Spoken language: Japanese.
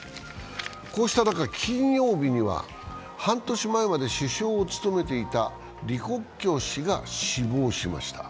こうした中、金曜日には、半年前まで首相を務めていた李克強氏が死亡しました。